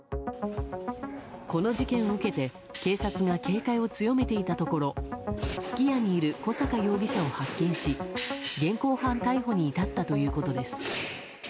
この事件を受けて警察が警戒を強めていたところすき家にいる小阪容疑者を発見し現行犯逮捕に至ったということです。